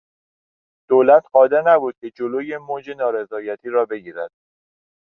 دولت قادر نبود که جلو موج نارضایتی را بگیرد.